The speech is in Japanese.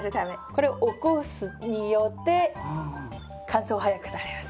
これ起こすことによって乾燥早くなります。